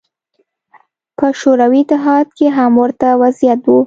په شوروي اتحاد کې هم ورته وضعیت و.